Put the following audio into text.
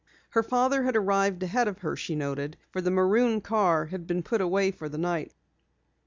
Her father had arrived ahead of her, she noted, for the maroon car had been put away for the night.